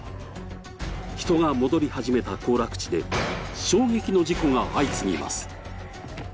人が戻り始めた行楽地で衝撃の事故が相次ぎます。